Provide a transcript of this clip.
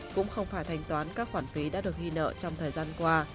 cũng không phải thanh toán các khoản phí đã được ghi nợ trong thời gian qua